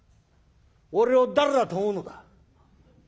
「俺を誰だと思うのだ。